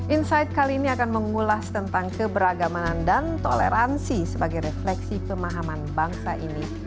insight kali ini akan mengulas tentang keberagamanan dan toleransi sebagai refleksi pemahaman bangsa ini